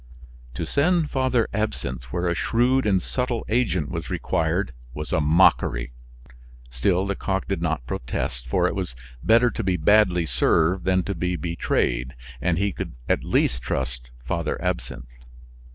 To send Father Absinthe where a shrewd and subtle agent was required was a mockery. Still Lecoq did not protest, for it was better to be badly served than to be betrayed; and he could at least trust Father Absinthe.